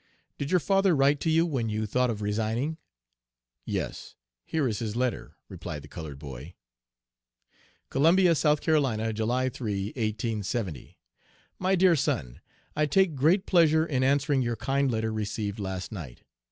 "'Did your father write to you when you thought of resigning?' "'Yes; here is his letter,' replied the colored boy: "'COLUMBIA, S.C., July 3, 1870. "'My DEAR SON: I take great pleasure in answering your kind letter received last night.